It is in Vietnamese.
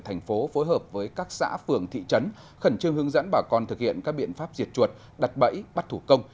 thành phố phối hợp với các xã phường thị trấn khẩn trương hướng dẫn bà con thực hiện các biện pháp diệt chuột đặt bẫy bắt thủ công